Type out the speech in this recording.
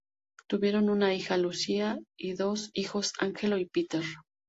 Tuvieron una hija, Lucia, y dos hijos Angelo y Peter.